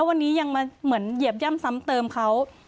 วันนี้ยังมาเหมือนเหยียบย่ำซ้ำเติมเขา